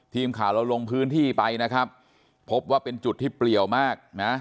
ทีมข่าวเราลงพื้นที่ไปนะครับพบว่าเป็นจุดที่เปลี่ยวมากนะ